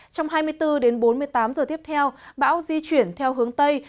trong hai mươi bốn bốn mươi tám h tiếp theo bão di chuyển theo hướng tây